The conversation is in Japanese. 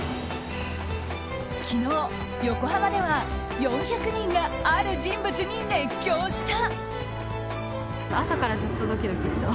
昨日、横浜では４００人がある人物に熱狂した。